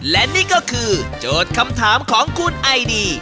และนี่ก็คือโจทย์คำถามของคุณไอดี